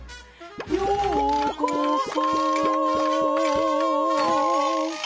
「ようこそ」